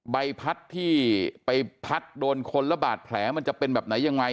ใบพัดที่ไปพัดโดนคนแล้วบาดแผลมันจะเป็นแบบไหนยังไง